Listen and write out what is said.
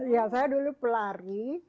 ya saya dulu pelari